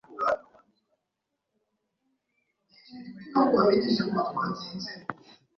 Izo mpanga zisa nkamashaza abiri mumasafuriya